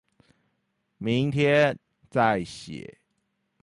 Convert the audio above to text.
明天再寫